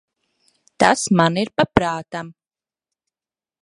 Tas man ir pa prātam.